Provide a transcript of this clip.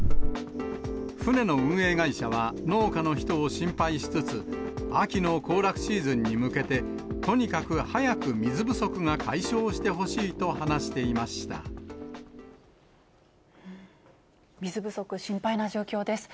船の運営会社は農家の人を心配しつつ、秋の行楽シーズンに向けて、とにかく早く水不足が解消水不足、心配な状況です。